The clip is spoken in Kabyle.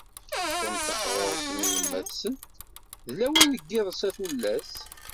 Tenṭeq ɣur-sent yemma-tsent: ”D lawan n yiḍes a tullas."